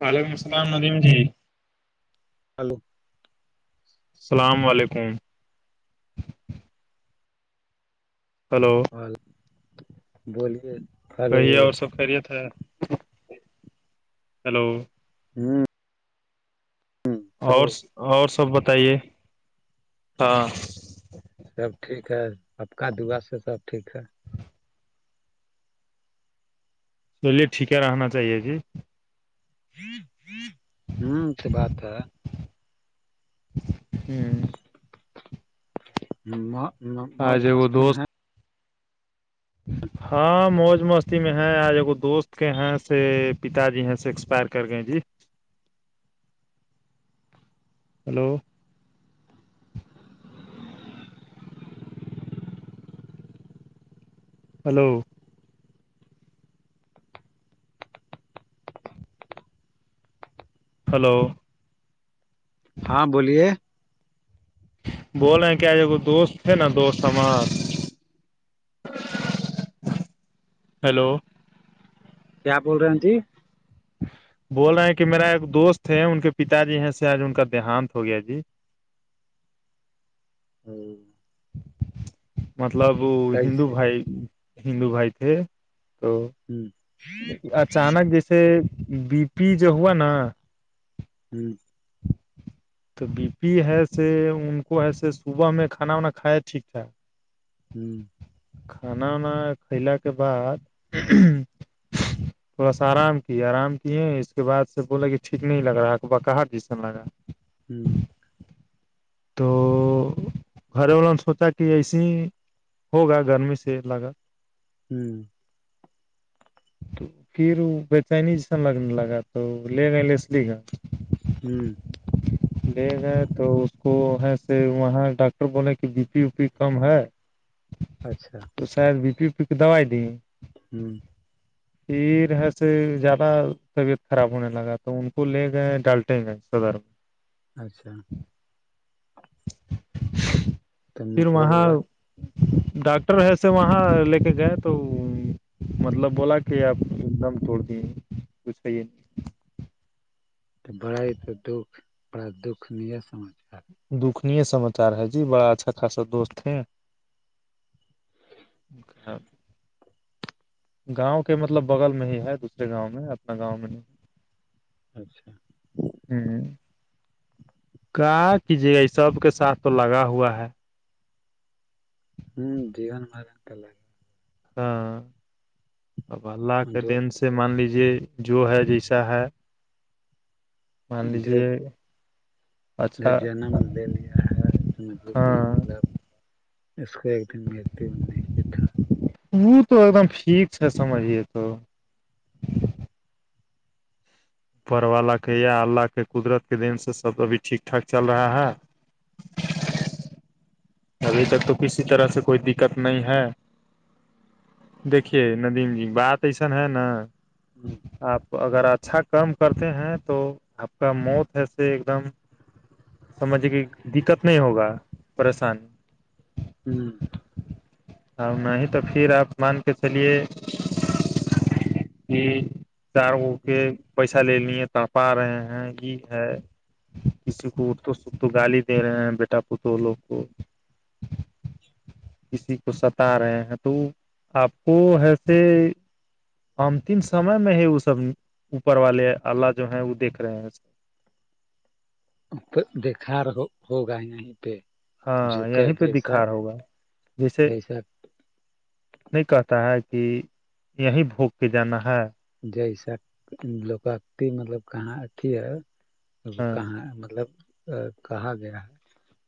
وعلیکم السلام علییم جی ہلو السلام علیکم ہلو اور بولیے ہلو کہیے اور سب خریت ہے ہیلو ہوں تو اور اور سب بتائیے ہاں سب ٹھ ہے پپکا دگا سے سب ٹھ ہے چلیے ٹھیک ہے رہنا چاہیے جی ہوں تو بات ہے ہوں موج آج ایگو مستکن دوست ہے ہ ہاں موج مستی میں ہے آج ایکگو دوست کے ہیں سے پتا جی ہیں سے ایکسپائر کر گئے جی ہلو ہلو ہلو ہاں بولیے بولےیں کہجے کو دوست تھے نا دوست ہمار ہیلو کیا بول رہے ہیں جی بول رہے ہیں کہ میرا ایک دوست ہے ان کے پتا جی ہیں س آج ان کا دیہانت ہو گیا جی ہوں مطلب ہندو کیسے بھائی ہندو بھائی تھے تو ہوں اچانک جیسے بی پی جو ہوا نا ہوں تو بی پی ہےس ان کو ہےسے صبح میں کھانا وانا کھائے ٹھیک ٹھاک ہوں کھانا وانا کلا کے بعد [inaudible] بس آرام کی آرام کیے اس کے بعد سے بولا کہ ٹھیک نہیں لگ رہا ہے بقاہار جیسن لگا ہوں تو گھر والوں نے سوچا کہ ایسے ہی ہوگا گرمی سے لگا ہوں تو پھر وہ بےتین سن لگنے لگا تو لنے لے س لی گا ہوں لے گئے تو اس کو ہے سے وہاں ڈ ر بولیں کہ ب بی پی و پی کم ہے اچھا تو شاید بی پی وی پی کی دوائی دییں ہوں پیر ہےس زیادہ طبیعت خراب ہونے لگا تو ان کو لے گئے ڈالٹے گئے صدر میں اچھا تو پھر مطلب وہاں ہوا ڈاکٹر ہےسے وہاں لے کے گئے تو مطلب بولا کہ آپ ایک دم توڑ دیے کچھ صیے نہیں بڑا ہی تو دکھ بڑا دکھ ن سماچار دکھنی سماچار ہے جی بڑا اچھا خاصا دوست ہیں ا کا [unintelligible] گاؤں کے مطلب بغل میں ہی ہے دوسرے گاؤں میں اپنا گاؤں میں نہیں اچھا ہوں کا کیجے گا یہ سب کے ساتھ تو لگا ہوا ہے ہوں جین مارت ل [unintelligible] ہاں اب اللہ کے جو دین سے مان لیجے جو ہے جیسا ہے مان لیجیے جو اچھا جنم دیا ہے سمجھ لے کہ ہاں مطلب اس کو ایک دن مت نہیں سے تھا وہ تو ایک دم ٹھیک ہے سمجھیے تو پر والا کے یا اللہ کے قدرت کے دین سے سب ابھی ٹھیک ٹھاک چل رہا ہے ابھی تک تو کسی طرح سے کوئی دقت نہیں ہے دیکھیے ندیم جی بات ایسن ہے نا ہوں آپ اگر اچھا کام کرتے ہیں تو آپ کا موت ہےس ایک دم سمجھے کہ دقت نہیں ہوگا پریشانی ہوں اب نہیں ہی تو پھر آپ مان کے چلیے ہی [unintelligible] چار گ کے پیسہ لے لیے پاپا ا رہے ہیں یہ ہے کسی کو اٹ تو سکھ تو گالی دے رہے ہیں بیٹا پت لوگ کو کسی کو ستا رہے ہیں تو آپ کو ایسے ام تم سمے میں ہی وہ سب اوپر والے آلہ جو ہے وہ دیکھ رہے ہیں دیکھار رہ ہوگ پہ ہاں جو کہ یہیں پہ جیسا دکھار ہوگا جیسے جیسا نہیں کہتا ہے کہ یہیں بھوک کے جانا ہے جیسا لو مطلب کہاں اھی ہے وہ ہاں کہاں مطلب کہا گیا ہے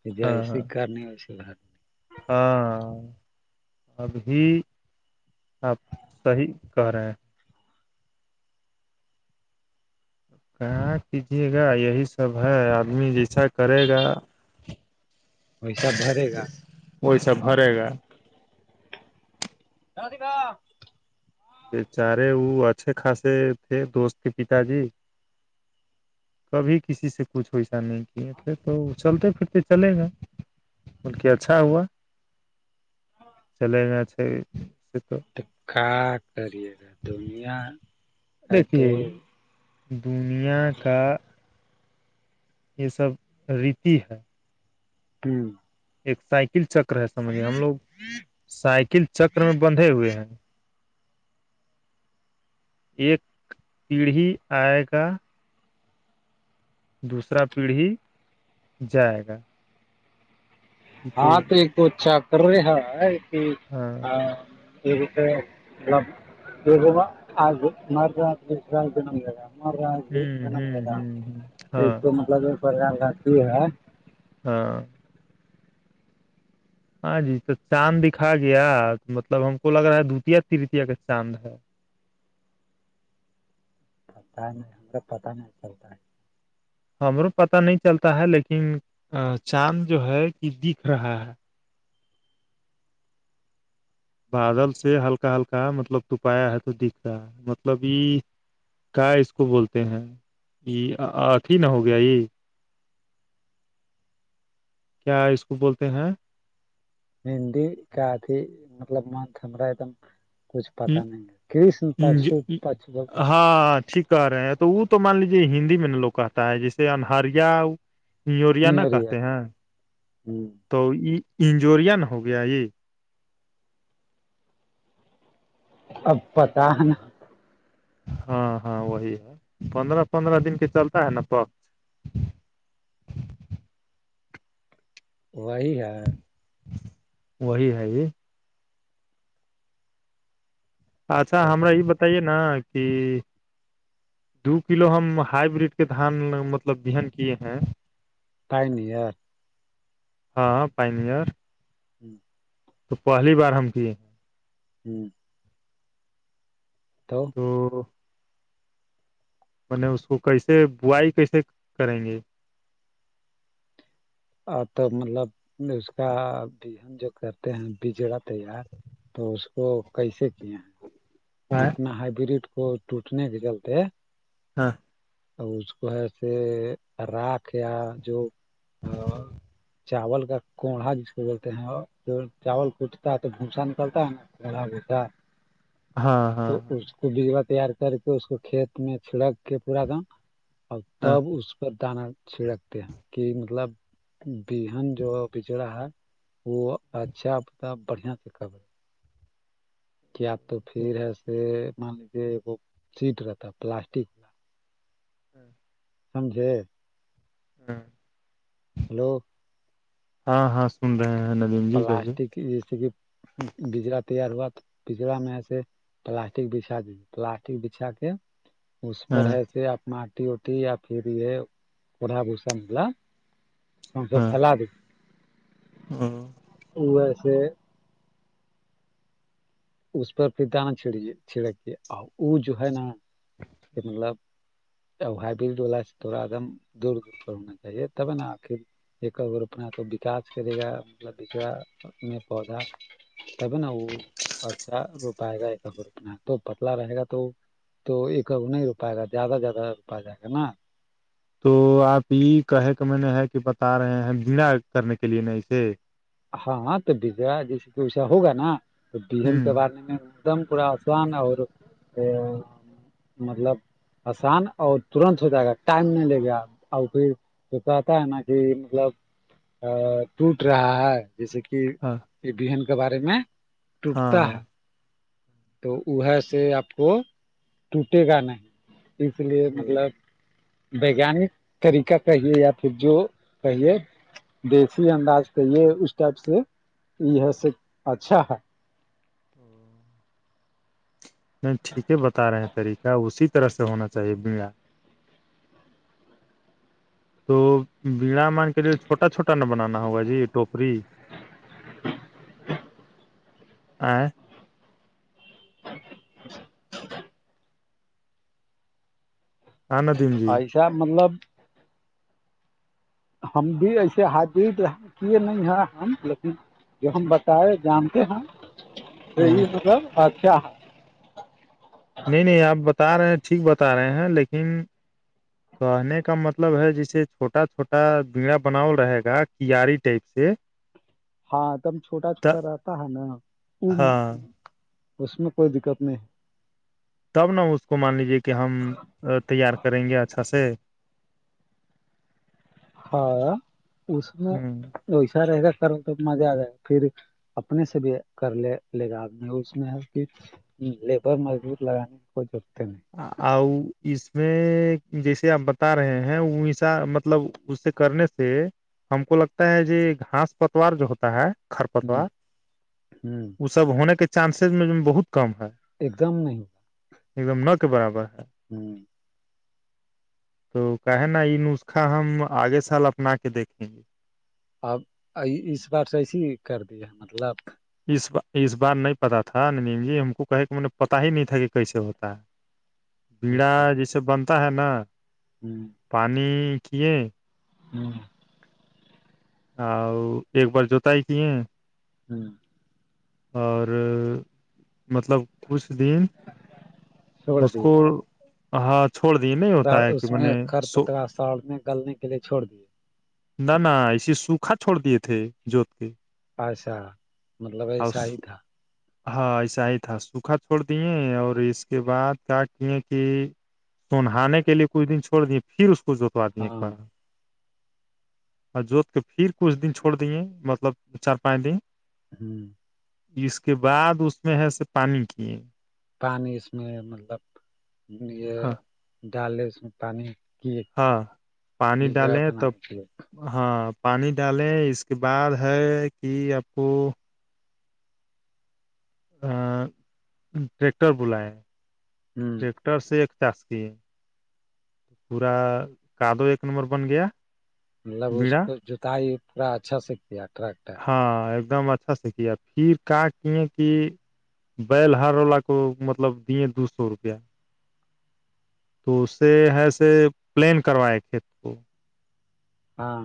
کہ ہاں جیے ہاں کرنی ویسی بات ہاں ابھی آپ صحیح کہ رہے ہیں کہاں کیجیے گا یہی سب ہے آدمی جیسا کرے گا پیسا بھرے گا وہیسا بھرے گا راد کا [unintelligible] بےچارے وہ اچھے خاصے تھے دوست کے پتا جی [inaudible] کبھی کسی سے کچھ ویسا نہیں کیے تھے تو چلتے پھرتے چلے گا بلک اچھا ہوا چلے میں اچھا تو تو کا کریر یگا دنیا ہے تو دیکھیے دنیا کا یہ سب ریتی ہے ت [inaudible] ایک سائیکل چکر ہے سمجھیے ہم لوگ سائیکل چکر میں بنددھے ہوئے ہیں ایک پیڑھی آئے گا دوسرا پیڑھی جائے گا ہاں تو ایک تو اچھا کر رہے ہے کہ ہاں یہ تو آج مار آس نام جا ہمارا ہ ہ جنم ہے گ ہ ہ ہاں تو مطلب پرار کا کی ہے ہاں ہاں جی تو چاند دکھا گیا مطلب ہم کو لگ رہا ہے دتیہ ترتیہ کا چاند ہے پتا ہے نہیں ہم کو پتہ نہیں چلتا ہے ہمرو پتا نہیں چلتا ہے لیکن چاند جو ہے کہ دکھ رہا ہے بادل سے ہلکا ہلکا مطلب توپایا ہے تو دکھ رہا مطلب یہ کیا اس کو بولتے ہیں یہ آخ ہی نہ ہو گیا یہ کیا اس کو بولتے ہیں ہندی کا ادھی مطلب ہمرا ایک دم کچھ پتا نہیں ہے کرسن پرشو پشو بولتے ہیں ہاں ٹھیک کہ رہے ہیں تو وہ تو مان لیجے ہندی میں نا لوگ کہتا ہے جیسے انہریا انجوریا نہ ہیریا کہتے ہیں تو یہ انجوریا نہ ہو گیا یہ اب پتا ہے نا ہاں ہاں وہی ہے پندرہ پندرہ دن کے چلتا ہے نا پک وہی ہے وہی ہے جی اچھا ہمار پتا یہ بتائیے نا کہ دو کلو ہم ہائی بریڈ کے دھان مطلب بہن کیے ہیں فائن ایئر ہاں پائن اور ہوں تو پہلی بار ہم کیے ہوں تو میں نے اس کو کیسے بوائی کیسے کریں گے آ تو مطلب اس کا ہم جو کرتے ہیں بجڑت تیار تو اس کو کیسے کیا ہے ہاں کتنا ہائیبرڈ کو ٹوٹنے جلتے ہاں اس کو ہے سے رھ یا جو چاول کا کوڑھا جس کو بولتے ہیں چاول کوٹتا ہے تو بھوسا نکلتا ہے نا بلہ بسا ہاں تو ہاں اس کو بیجوا تیار کر کے اس کو کھیت میں چھڑک کے پورا ایک دم اب ہاں تب اس پر دانا چھڑکتے ہیں کہ مطلب بہان جو پچھڑا ہے وہ اچھا مطتاب بڑھیا سے کربے کیاپ تو پھر ہےس مان لیجے وہ سیٹ رہتا پلاسٹک والا ہوں سمجھے ہوں ہلو ہاں ہاں سن رہے ہیں ندیم جی کہیے جیسے کہ بجڑا تیار ہوا تو پجڑا میں ایسے پلاسٹک بچھا دیجی پلاسٹک بچھا کے اس پر ہاں ہےس اپنا آٹی اٹی یا پھر یہ پڑا بھسالا سوس ھیلا دی ہاں ویسے اس پر پھر دانا چھڑکیے چھڑکے اور وہ جو ہے نا کہ مطلب ا ہائیبلڈو سے تھوڑا ایک دم دور دور پر ہونا چاہیے تب نا آخر ایک اپنا تو وکاس کرے گا مطلب بچڑا میں پودا تب نا وہ اچھا روپائے گا ایک رپنا تو پتلا رہے گا تو وہ تو ایک ا نہیں روپائے گا زیادہ زیادہ روپا جائے گا نا تو آپ یہ کہے کہ میں نے ہے کہ بتا رہے ہیں بنا کرنے کے لیے نا اسے ہاں تو با جیسے کہ ویسا ہوگا نا تو ہ بیہن ک بارنے میں ایک دم کوا آسان اور مطلب آسان اور ترنت ہو جائے گا ٹائم نہیں لے گا اور پھر تو کہتا ہے نا کہ مطلب ٹوٹ رہا ہے جیسے کہ ہاں یہ بہن کے بارے میں ہاں ٹوٹتا ہاں ہے تو وہ سے آپ کو ٹوٹے گا نہیں اس لیے تو مطلب وگانک طریقہ کہیے یا پھر جو کہیے دیسی انداز کا یہ اس ٹائپ سے یہ س اچھا ہے [inaudible] نہیں ٹھیک ہے بتا رہے ہیں طریقہ اسی طرح سے ہونا چاہیے بنگا تو بیڑا مان کے لیے چھوٹا چھوٹا نہ بنانا ہوگا جی یہ ٹوپری ہ آ جچ ہ ندیم جی اچ شا مطلب ہم بھی ایسے حادد کیے نہیں ہے ہم لیکن جو ہم بتائے جانتے ہیں ہ تو یہ مطلب اچھا ہے نہیں نہیں آپ بتا رہے ہیں ٹھیک بتا رہے ہیں لیکن کہنے کا مطلب ہے جیسے چھوٹا چھوٹا گڑا بناؤول رہے گا کیاری ٹائپ سے ہاں تم چھوٹا ت چھوٹا رہتا ہے نا ہاں اس میں کوئی دقت نہیں تب نہ اس کو مان لیجے کہ ہم تیار کریں گے اچھا سے ہاں اس میں ہ ویسا رہ گ کرو تو مزہ آ جائے گا پھر اپنے سے بھی کر لے لے گا آدمی اس میں ہے لیبر مجبور لگانے کوئی ضرورتے نہیں ا اس میں جیسے آپ بتا رہے ہیں انسا مطلب اس سے کرنے سے سے ہم کو لگتا ہے ج گھاس پتوار جو ہوتا ہے نہیں ہ خرپتوار ہ ا سب ہونے کے چانسز میں بہت کم ہے ایکزام نہیں ایک دم ن کے برابر ہے ہوں تو کہے نا یہ نسخہ ہم آگے سال اپنا کے دیکھیں گے اب اس بار سے ایسیے ہی کر دیا مطلب اس بار اس بار نہیں پتا تھا نینیم جی ہم کو کہے کہ مے پتاہ ہی نہیں تھا کہ کیسے ہوتا ہے [inaudible] بیڑا جیسے بنتا ہے نا ہوں پانی کیے ہوں آ ایک بار جوتا ہے کیے ہاں اور مطلب کچھ دن چھوڑ اس کو ہاں چھوڑ دیے ن س اس میں کر پتلاا ساڑ میں گلنے کے لیے چھوڑ دیے نہ نہ ایے سوکھا چھوڑ دیے تھے جوت کے اچھا اؤس ہاں ایسا ہی تھا سوکھا چھوڑ دیے اور اس کے بعد کیا کیے کہ تونانے کے لیے کچھ دن چھوڑ د پھر اس کو جوتوا د ایک ہاں بار اور جوت کے پھر کچھ دن چھوڑ دییںے مطلب چار پانچ دن ہوں اس کے بعد اس میں ہے س پانی کے پانی اس میں مطلب یہ ہاں ڈال لے اس میں پانی کی ایک ہاں پانی بگڑا ڈالیں تب بنانے کے لیے ہاں پانی ڈالیں اس کے بعد ہے کہ آپ کو ٹریکٹر بلایا ہ ٹیکٹر ٹر سے ایک چاس کی ہے پورا کادو ایک نمبر بن گیا مطلب اس بیڑا کو جتائی پورا اچھا سے کیا ٹریکٹر ہاں ایک دم اچھا سے کیا پھر کا کیے کی بیل ہار واللا کو مطلب دیے دو سو روپیہ تو اس سے ہے س پلین کروائے کھیت کو ہاں